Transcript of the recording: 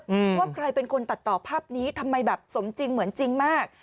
ว่าใครเป็นคนตัดต่อภาพนี้ทำไมแบบสมจริงเหมือนจริงมาก